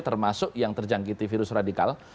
termasuk yang terjangkiti virus radikal